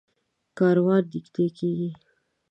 کاروان نږدې کېږي.